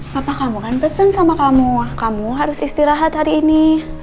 bapak kamu kan pesen sama kamu wah kamu harus istirahat hari ini